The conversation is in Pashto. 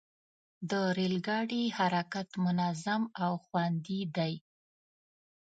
د ریل ګاډي حرکت منظم او خوندي دی.